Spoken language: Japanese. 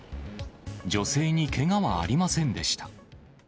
女性にけがはありませんでした。